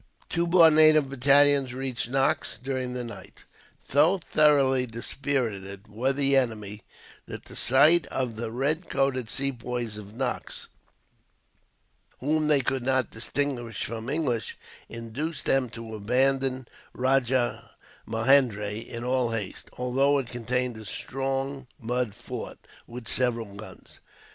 Two more native battalions reached Knox during the night. So thoroughly dispirited were the enemy, that the sight of the red coated Sepoys of Knox, whom they could not distinguish from English, induced them to abandon Rajahmahendri in all haste, although it contained a strong mud fort, with several guns.